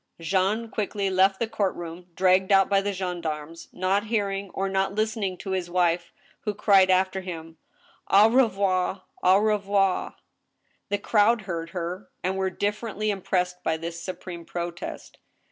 Jean quickly left the court room, dragged out by the gendarmes, not hearing or not listening to his wife, who cried after him ;Au revoir I au revoir /" The crowd heard her, and were differently impressed by this supreme protest.